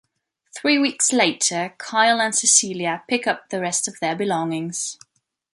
Three weeks later, Kyle and Cecilia pick up the rest of their belongings.